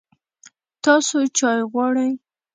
تاسو چای غواړئ؟